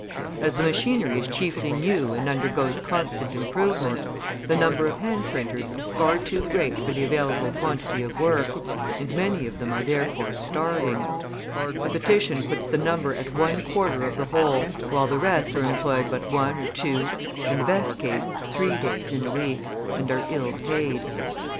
As the machinery is chiefly new and undergoes constant improvement, the number of hand printers is far too great for the available quantity of work, and many of them are therefore starving; the petition puts the number at one quarter of the whole, while the rest are employed but one or two, in the best case three days in the week, and are ill paid.